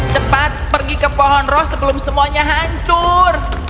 cepat pergi ke pohon roh sebelum semuanya hancur